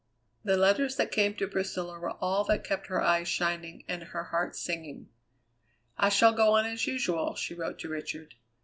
The letters that came to Priscilla were all that kept her eyes shining and her heart singing. "I shall go on as usual," she wrote to Richard.